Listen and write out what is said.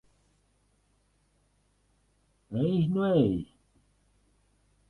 Ej nu ej!